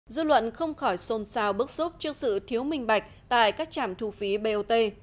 dư luận không khỏi xôn xao bức xúc trước sự thiếu minh bạch tại các trảm thu phí bot